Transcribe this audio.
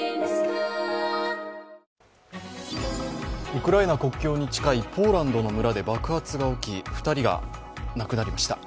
ウクライナ国境に近いポーランドの村で爆発が起き、２人が亡くなりました。